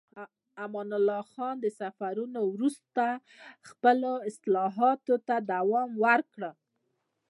امان الله خان د سفرونو وروسته خپلو اصلاحاتو ته دوام ورکړ.